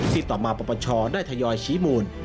ที่ต่อมาประปัชชอได้ทยอยชี้มูล